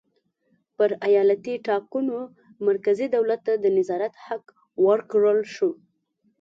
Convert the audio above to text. پر ایالتي ټاکنو مرکزي دولت ته د نظارت حق ورکړل شو.